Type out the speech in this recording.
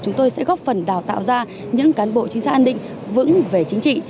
chúng tôi sẽ góp phần đào tạo ra những cán bộ chính sách an ninh vững về chính trị